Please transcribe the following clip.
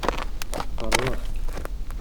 Cqerwaɣ-k.